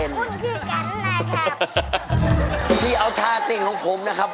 ดูเอาท่าเต้นของผมนะครับ